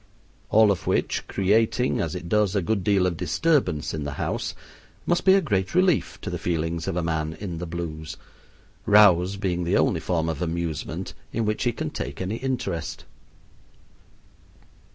All of which, creating, as it does, a good deal of disturbance in the house, must be a great relief to the feelings of a man in the blues, rows being the only form of amusement in which he can take any interest.